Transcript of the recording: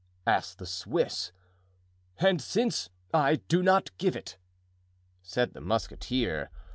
asked the Swiss. "And since—I do not give it," said the musketeer.